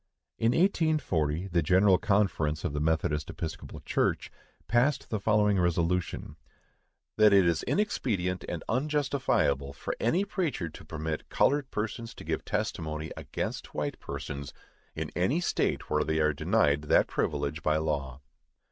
In 1840, the General Conference of the Methodist Episcopal Church passed the following resolution: "THAT IT IS INEXPEDIENT AND UNJUSTIFIABLE FOR ANY PREACHER TO PERMIT COLORED PERSONS TO GIVE TESTIMONY AGAINST WHITE PERSONS IN ANY STATE WHERE THEY ARE DENIED THAT PRIVILEGE BY LAW."